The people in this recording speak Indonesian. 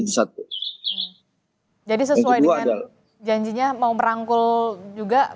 jadi sesuai dengan janjinya mau merangkul juga